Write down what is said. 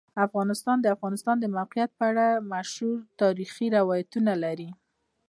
افغانستان د د افغانستان د موقعیت په اړه مشهور تاریخی روایتونه لري.